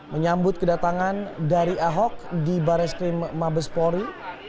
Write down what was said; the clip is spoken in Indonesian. menyambut kedatangan dari ahok di bareskrim mabespori